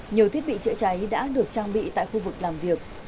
nhiều thiết bị chữa cháy đã được trang bị tại khu vực làm việc